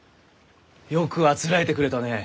よくあつらえてくれたね！